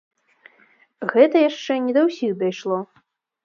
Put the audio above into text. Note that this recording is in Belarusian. Гэта яшчэ не да ўсіх дайшло.